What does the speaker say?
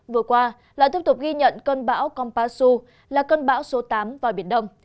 vừa qua lại tiếp tục ghi nhận cơn bão kompasu là cơn bão số tám vào biển đông